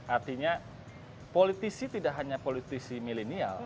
artinya politisi tidak hanya politisi milenial